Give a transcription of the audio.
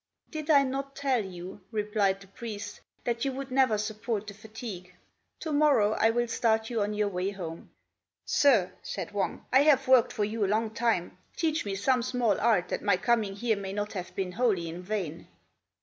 "Did I not tell you," replied the priest, "that you would never support the fatigue? To morrow I will start you on your way home." "Sir," said Wang, "I have worked for you a long time. Teach me some small art, that my coming here may not have been wholly in vain."